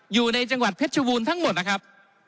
อยู่ในจังหวัดเพชรบูรณ์ทั้งหมดนะครับ